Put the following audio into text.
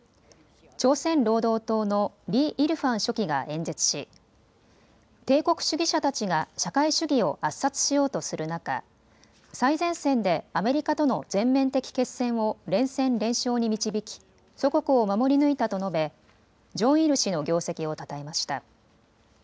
朝鮮労働党のリ・イルファン書記が演説し帝国主義者たちが社会主義を圧殺しようとする中、最前線でアメリカとの全面的決戦を連戦連勝に導き祖国を守り抜いたと述べ、ジョンイル氏の業績をたたえました。